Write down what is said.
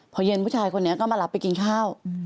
พอเย็นผู้ชายคนนี้ก็มารับไปกินข้าว